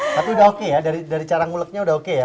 tapi udah oke ya dari cara nguleknya udah oke ya